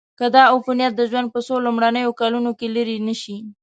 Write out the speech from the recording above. که دا عفونت د ژوند په څو لومړنیو کلونو کې لیرې نشي.